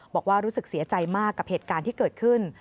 บอกว่ารู้สึกเสียใจมากกับเหตุการณ์ที่เกิดขึ้น